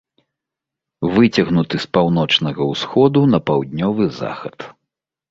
Выцягнуты з паўночнага ўсходу на паўднёвы захад.